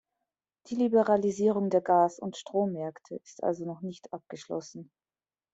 Die Liberalisierung der Gasund Strommärkte ist also noch nicht abgeschlossen.